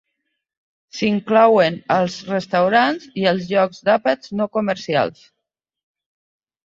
S'inclouen els restaurants i els llocs d'àpats no comercials.